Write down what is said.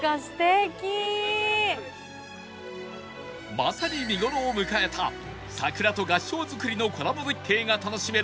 まさに見頃を迎えた桜と合掌造りのコラボ絶景が楽しめる